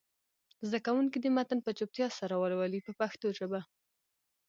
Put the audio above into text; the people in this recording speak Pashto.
زده کوونکي دې متن په چوپتیا سره ولولي په پښتو ژبه.